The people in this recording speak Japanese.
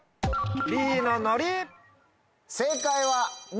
Ｂの「のり」！